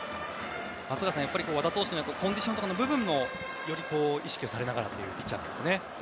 松坂さん、和田投手のコンディションという部分もより意識されながらというピッチャーなんですかね。